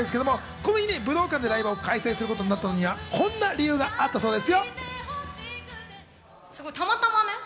この日に武道館でライブを開催することになったのには、こんな理由があったそうです。